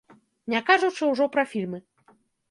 Не кажучы ўжо пра фільмы.